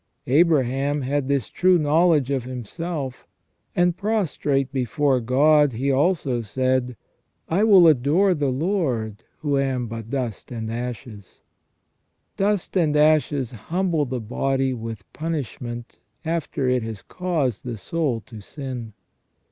Abraham had this true knowledge of himself, and, prostrate before God, he also said :* I will adore the Lord, who am but dust and ashes '. Dust and ashes humble the body with punishment after it has caused the soul to sin.